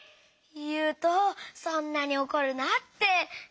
ゆうとそんなにおこるなって。